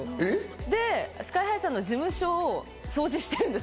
で、ＳＫＹ−ＨＩさんの事務所を掃除してるんです。